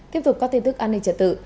tiếp tục có tin tức an ninh trật tự